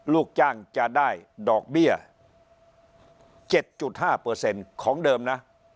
ลูกจ้างจะได้ดอกเบี้ย๗๕ของเดิมนะ